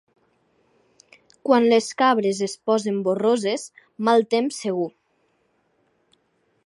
Quan les cabres es posen borroses, mal temps segur.